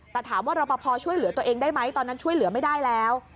แต่ถามว่ารอปภช่วยเหลือตัวเองได้ไหมตอนนั้นช่วยเหลือไม่ได้แล้ว